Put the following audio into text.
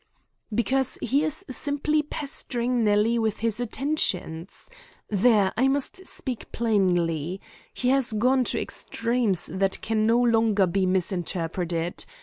"Because he is simply pestering Nellie with his attentions. There! I must speak plainly. He has gone to extremes that can no longer be misinterpreted.